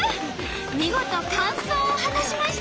見事完走を果たしました。